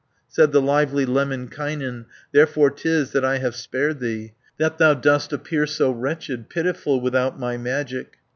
Said the lively Lemminkainen, "Therefore 'tis that I have spared thee, That thou dost appear so wretched, Pitiful without my magic.